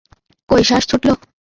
কই শ্বাস ছুটল?